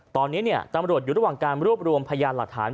ตอนนี้ตำรวจอยู่ระหว่างการรวบรวมพยานหลักฐาน